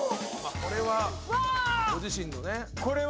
これはご自身のね。